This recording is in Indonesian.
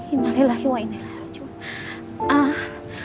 innalillah ya wa innalillah